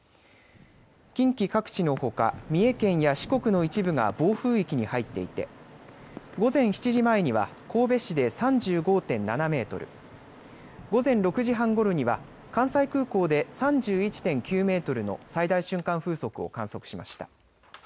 近畿各地のほか、三重県や四国の一部が暴風域に入っていて午前７時前には神戸市で３５．７メートル、午前６時半ごろには関西空港で３１．９メートルの最大瞬間風速を観測しました。